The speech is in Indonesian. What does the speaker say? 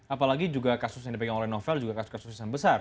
apalagi juga kasus yang dipegang oleh novel juga kasus kasus yang besar